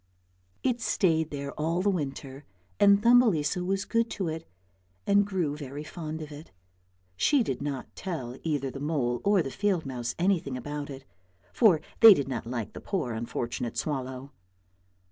It stayed there all the winter, and Thumbelisa was good to it and grew very fond of it. She did not tell either the mole or the field mouse anything about it, for they did not like the poor unfortunate swallow.